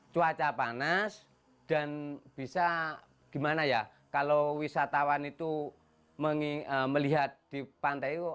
cuaca panas dan bisa gimana ya kalau wisatawan itu melihat di pantai itu